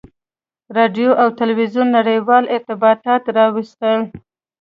• راډیو او تلویزیون نړیوال ارتباطات راوستل.